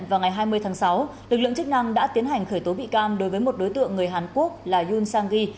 vào ngày hai mươi tháng sáu lực lượng chức năng đã tiến hành khởi tố bị can đối với một đối tượng người hàn quốc là yoon sang ghi